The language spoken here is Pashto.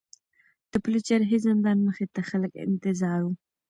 د پلچرخي زندان مخې ته خلک انتظار وو.